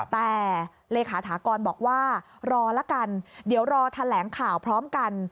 แต่เลขาถากรบอกว่ารอละกันเดี๋ยวรอแถลงข่าวพร้อมกัน